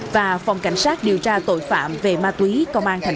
và phòng cảnh sát điều tra tội phạm về ma túy công an tp hcm